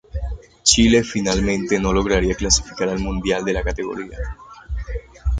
Chile finalmente no lograría clasificar al mundial de la categoría.